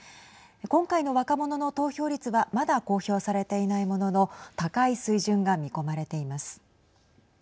今回の若者の投票率はまだ公表されていないものの高い水準が見込まれています。